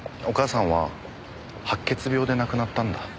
お母さんは白血病で亡くなったんだ。